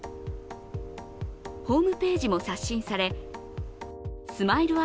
ホームページも刷新され、ＳＭＩＬＥ